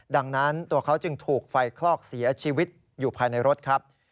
ดังนั้นตัวเขาจึงถูกไฟคลอกเสียชีวิตอยู่ภายในรถครับ